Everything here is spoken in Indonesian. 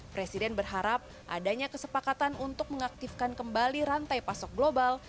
presiden berharap adanya kesepakatan untuk mengaktifkan kembali rantai pasok global